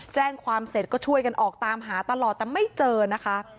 แจ้งความเสร็จก็ช่วยกันออกตามหาตลอดแต่ไม่เจอนะคะ